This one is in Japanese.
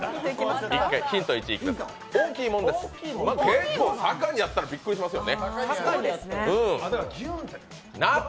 結構、坂にあったらびっくりしますよね。